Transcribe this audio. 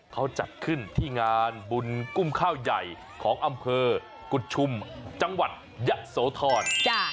เขาจัดขึ้นที่งานบุญกุ้มข้าวใหญ่ของอำเภอกุฎชุมจังหวัดยะโสธร